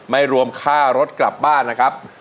รวมค่ารถกลับบ้านนะครับ